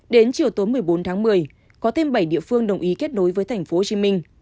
đến chiều tối một mươi bốn tháng một mươi có thêm bảy địa phương đồng ý kết nối với tp hcm